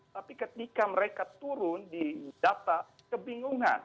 tapi ketika mereka turun di data kebingungan